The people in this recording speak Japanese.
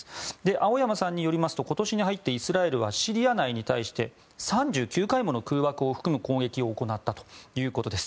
青山さんによりますと今年に入ってイスラエルはシリア内に対して、３９回もの空爆を含む攻撃を行ったということです。